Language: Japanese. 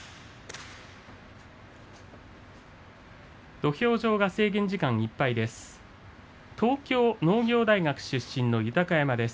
土俵上が制限時間いっぱいです。